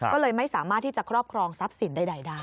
ก็เลยไม่สามารถที่จะครอบครองทรัพย์สินใดได้